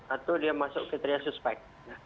atau dia masuk kriteria suspek